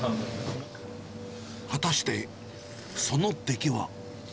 果たしてその出来は。